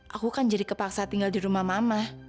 aku kan jadi kepaksa tinggal di rumah mama